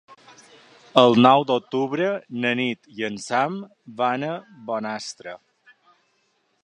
El nou d'octubre na Nit i en Sam van a Bonastre.